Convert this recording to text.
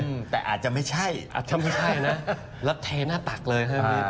อืมแต่อาจจะไม่ใช่อาจจะไม่ใช่นะแล้วเทหน้าตักเลยใช่ไหม